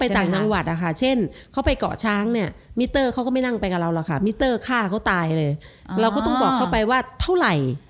ไม่ได้เพราะไปต่างถ้าเข้าไปเกาะช้างนี่มิเตอร์เค้าก็ไม่นั่งไปกับเราก็ต้องบอกเข้าไปว่าเท่าไหร่